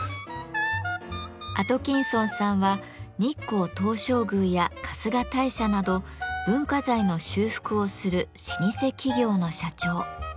アトキンソンさんは日光東照宮や春日大社など文化財の修復をする老舗企業の社長。